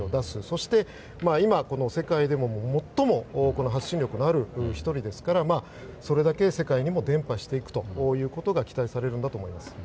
そして、今、世界で最も発信力のある１人ですからそれだけ世界にも伝播していくということが期待されるんだと思います。